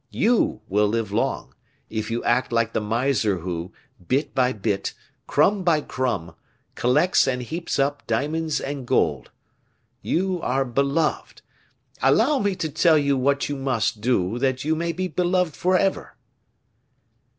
You will live long, if you act like the miser who, bit by bit, crumb by crumb, collects and heaps up diamonds and gold. You are beloved! allow me to tell you what you must do that you may be beloved forever."